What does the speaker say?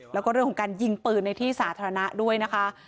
แล้วก็เรื่องของการยิงปืนในที่สาธารณะด้วยนะคะ